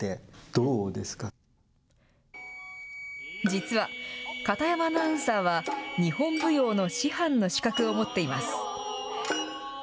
実は、片山アナウンサーは、日本舞踊の師範の資格を持っています。